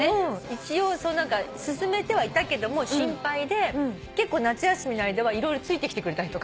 一応勧めてはいたけども心配で結構夏休みの間は色々ついてきてくれたりとか。